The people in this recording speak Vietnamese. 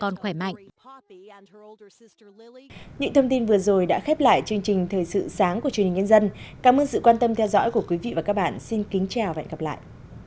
những thông tin vừa rồi đã khép lại chương trình thời sự sáng của truyền hình nhân dân cảm ơn sự quan tâm theo dõi của quý vị và các bạn xin kính chào và hẹn gặp lại